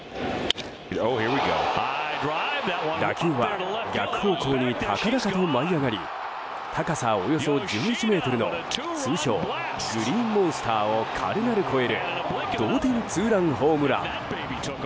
打球は逆方向に高々と舞い上がり高さおよそ１１ｍの通称グリーンモンスターを軽々越える同点ツーランホームラン。